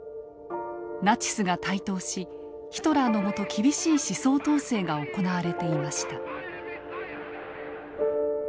ナチスが台頭しヒトラーのもと厳しい思想統制が行われていました。